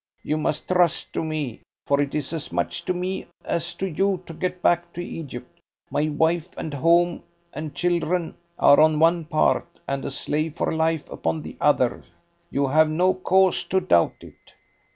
"You must trust to me, for it is as much to me as to you to get back to Egypt. My wife and home, and children, are on one part, and a slave for life upon the other. You have no cause to doubt it."